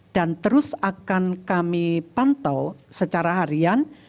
dan terus akan kami pantau secara harian